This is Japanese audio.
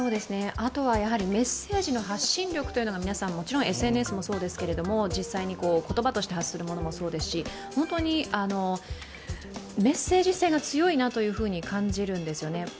あとはメッセージの発信力が、皆さんもちろんＳＮＳもそうですけど、実際に言葉として発するものもそうですし本当にメッセージ性が強いなというふうに感じるんですよね。